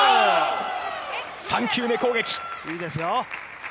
３球目攻撃！